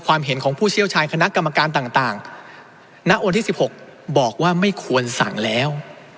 เห็นของผู้เชี่ยวชาญคณะกรรมการต่างณวันที่๑๖บอกว่าไม่ควรสั่งแล้ว